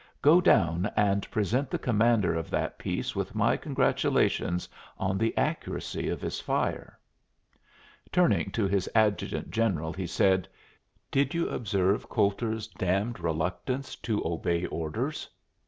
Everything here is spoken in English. Go down and present the commander of that piece with my congratulations on the accuracy of his fire." Turning to his adjutant general he said, "Did you observe Coulter's damned reluctance to obey orders?"